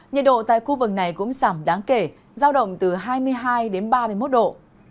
nhiệt độ tại khu vực này cũng giảm đáng kể giao động từ hai mươi hai đến ba mươi một độ